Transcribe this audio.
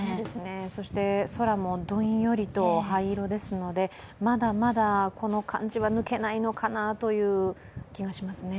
そして空もどんよりと灰色ですので、まだまだこの感じは抜けないのかなという気がしますね。